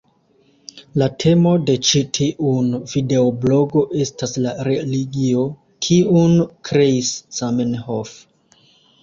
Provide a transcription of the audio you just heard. La temo de ĉi tiun videoblogo estas la religio kiun kreis Zamenhof.